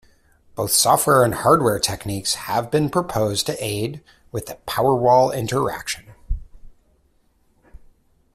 Both software and hardware techniques have been proposed to aid with Powerwall interaction.